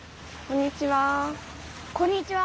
こんにちは。